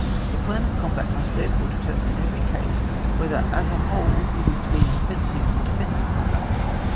The plan of the combat must therefore determine in every case, whe ther as a whole it is to be an offensive or defensive combat.